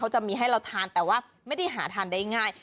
จะมีให้เราทานแต่ว่าไม่ได้หาทานได้ง่าย